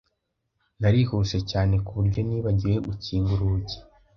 Narihuse cyane kuburyo nibagiwe gukinga urugi.